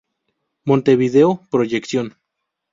Montevideo, Proyección.